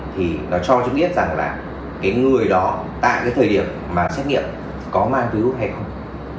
thì nó cho chúng biết rằng là cái người đó tại cái thời điểm mà xét nghiệm có mang virus hay không